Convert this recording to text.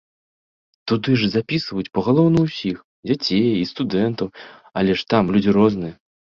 Туды ж запісваюць пагалоўна ўсіх дзяцей і студэнтаў, але ж там людзі розныя.